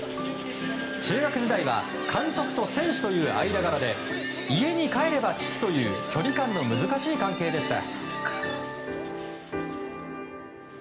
中学時代は監督と選手という間柄で家に帰れば父という距離感の難しい関係でした。